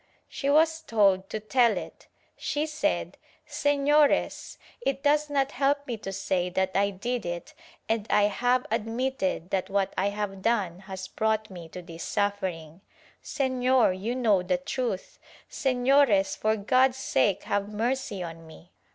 She was told to tell it. She said "Sefiores, it does not help me to say that I did it and I have admitted that what I have done has brought me to this suffering — Sefior, you know the truth — Sefiores, for God's sake have mercy on me.